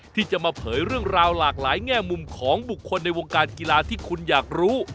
ที่จะมาเผยเรื่องราวหลากหลายแง่มุมของบุคคลในวงการกีฬาที่คุณอยากรู้